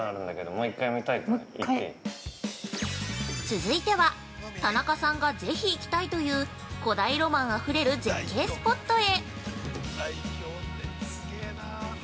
◆続いては、田中さんがぜひ行きたいという古代ロマンあふれる絶景スポットへ！